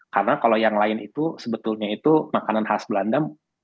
karena kalau yang lain itu sebetulnya itu makanan khas belanda